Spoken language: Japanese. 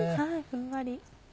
ふんわり。